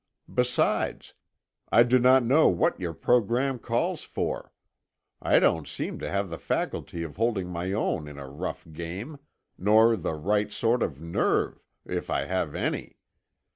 Besides, I do not know what your program calls for. I don't seem to have the faculty of holding my own in a rough game; nor the right sort of nerve—if I have any.